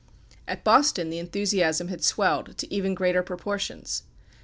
At Boston the enthusiasm had swelled to even greater proportions.